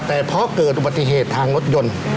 แต่พอเกิดปฏิเหตุทางรถยนต์